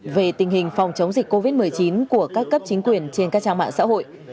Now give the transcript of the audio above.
về tình hình phòng chống dịch covid một mươi chín của các cấp chính quyền trên các trang mạng xã hội